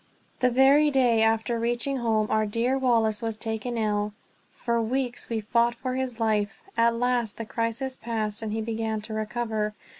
The very day after reaching home our dear Wallace was taken ill. For weeks we fought for his life; at last the crisis passed and he began to recover.